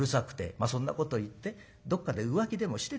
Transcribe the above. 『まあそんなこと言ってどっかで浮気でもしてたんでしょ。